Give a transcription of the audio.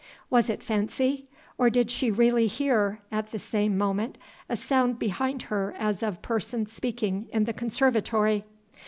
Was it fancy? or did she really hear, at the same moment, a sound behind her as of persons speaking in the conservatory?